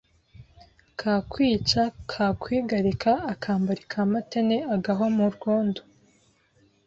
Kakwica kakwigarika akambari ka MateneAgahwa mu rwondo